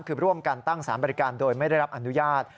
คือร่วมกันตั้งสารบริการโดยไม่ได้รับอนุญาต